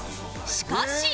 しかし